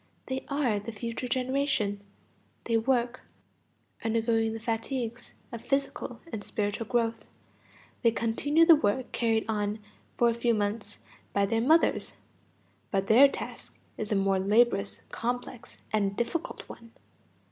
They are the future generation. They work, undergoing the fatigues of physical and spiritual growth. They continue the work carried on for a few months by their mothers, but their task is a more laborious, complex, and difficult one.